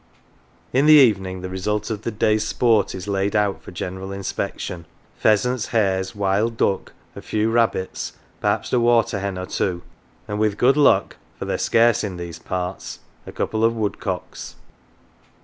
In the evening the result of the day's sport is laid out for general inspection, pheasants, hares, wild duck, a few rabbits, perhaps a water hen or two, and with good luck, for they are scarce in these parts a couple of woodcocks.